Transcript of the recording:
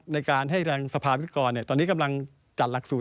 ในการให้ทางสภาวิศกรตอนนี้กำลังจัดหลักสูตร